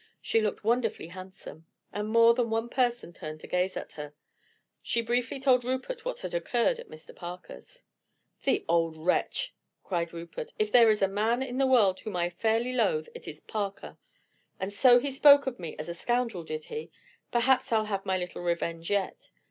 She looked wonderfully handsome, and more than one person turned to gaze at her. She briefly told Rupert what had occurred at Mr. Parker's. "The old wretch!" cried Rupert. "If there is a man in the world whom I fairly loathe, it is Parker. And so he spoke of me as a scoundrel, did he? Perhaps I'll have my little revenge yet."